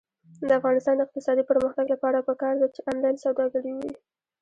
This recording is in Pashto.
د افغانستان د اقتصادي پرمختګ لپاره پکار ده چې آنلاین سوداګري وي.